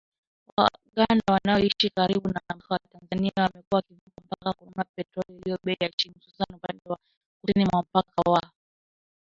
Waganda wanaoishi karibu na mpaka wa Tanzania wamekuwa wakivuka mpaka kununua petroli iliyo bei ya chini , hususan upande wa kusini mwa mpaka wa Mutukula.